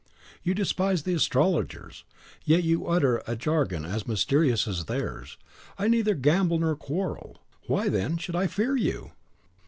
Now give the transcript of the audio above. "You despise the astrologers, yet you utter a jargon as mysterious as theirs. I neither gamble nor quarrel; why, then, should I fear you?"